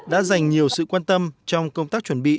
đã dành nhiều sự quan tâm trong công tác chuẩn bị